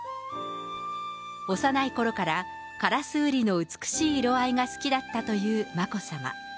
幼いころから、烏瓜の美しい色合いが好きだったという眞子さま。